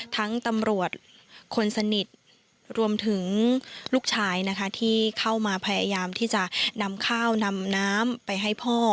ตำรวจคนสนิทรวมถึงลูกชายนะคะที่เข้ามาพยายามที่จะนำข้าวนำน้ำไปให้พ่อ